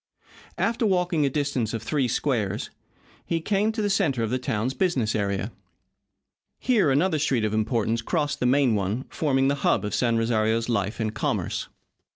After walking a distance of three squares he came to the centre of the town's business area. Here another street of importance crossed the main one, forming the hub of San Rosario's life and commerce.